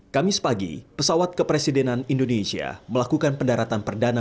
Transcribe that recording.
kamis pagi pesawat kepresidenan indonesia melakukan pendaratan perdana